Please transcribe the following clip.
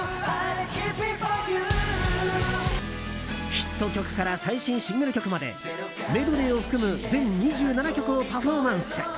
ヒット曲から最新シングル曲までメドレーを含む全２７曲をパフォーマンス。